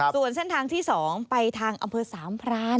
ส่วนเส้นทางที่๒ไปทางอำเภอสามพราน